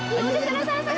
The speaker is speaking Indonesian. ayo jangan salah salah